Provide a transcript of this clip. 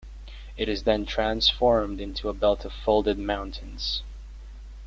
It is then transformed into a belt of folded mountains.